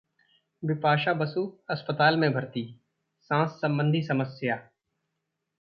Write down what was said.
बिपाशा बसु अस्पताल में भर्ती, सांस संबंधी समस्या